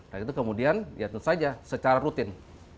nah itu kemudian ya tentu saja secara rutin